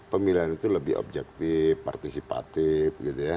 pemilihan itu lebih objektif partisipatif gitu ya